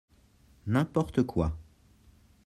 N’importe quoi